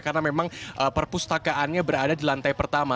karena memang perpustakaannya berada di lantai pertama